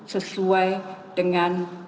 sehingga di platvan ini